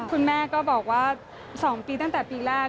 คุณแม่ก็บอกว่า๒ปีตั้งแต่ปีแรก